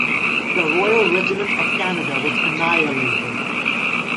The Royal Regiment of Canada was annihilated.